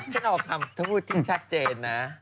ฉันออกคำที่ชัดเจนนะ